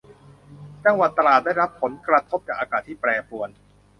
จังหวัดตราดได้รับผลกระทบจากอากาศที่แปรปรวน